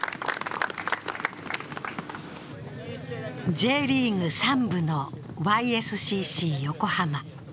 Ｊリーグ３部のＹ．Ｓ．Ｃ．Ｃ．横浜。